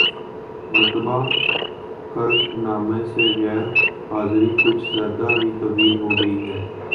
مرتبہ کرک نامہ سے غیر حاضری کچھ زیادہ ہی طویل ہوگئی ہے